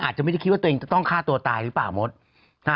อาจจะไม่ได้คิดว่าตัวเองจะต้องฆ่าตัวตายหรือเปล่ามด